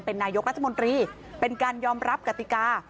นายกรัฐมนตรีเป็นการยอมรับกติกา